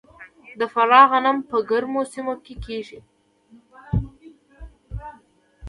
د فراه غنم په ګرمو سیمو کې کیږي.